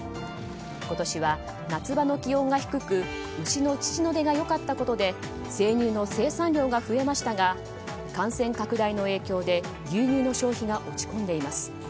今年は夏場の気温が低く牛の乳の出が良かったことで生乳の生産量が増えましたが感染拡大の影響で牛乳の消費が落ち込んでいます。